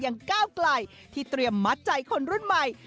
ก้าวไกลที่เตรียมมัดใจคนรุ่นใหม่